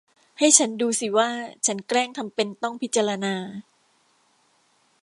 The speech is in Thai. ให้ฉันดูสิว่าฉันแกล้งทำเป็นต้องพิจารณา